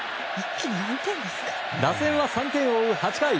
打線は３点を追う８回。